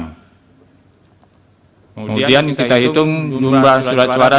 kemudian kita hitung jumlah surat suara